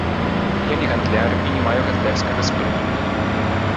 Я не гандляр і не маю гандлярскага спрыту.